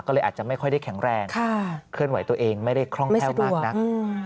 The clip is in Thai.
ก็เลยอาจจะไม่ค่อยได้แข็งแรงเคลื่อนไหวตัวเองไม่ได้คล่องแคล่วมากนัก